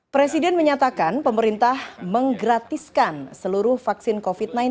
presiden menyatakan pemerintah menggratiskan seluruh vaksin covid sembilan belas